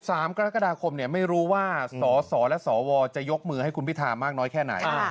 สามกรกฎาคมเนี่ยไม่รู้ว่าสอสอและสวจะยกมือให้คุณพิธามากน้อยแค่ไหน